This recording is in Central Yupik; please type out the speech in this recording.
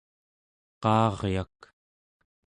qaaryak